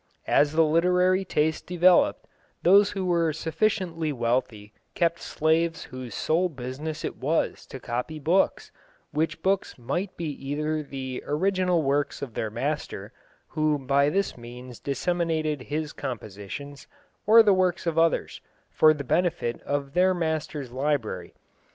As the literary taste developed, those who were sufficiently wealthy kept slaves whose sole business it was to copy books, which books might be either the original works of their master, who by this means disseminated his compositions, or the works of others, for the benefit of their master's library.